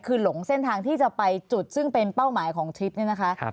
คือหลงเส้นทางที่จะไปจุดซึ่งเป็นเป้าหมายของทริปเนี่ยนะคะ